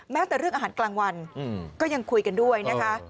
แต่เรื่องอาหารกลางวันก็ยังคุยกันด้วยนะคะ